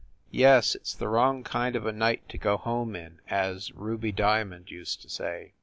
"Yes ; it s the wrong kind of a night to go home in/ as Ruby Diamond used to say."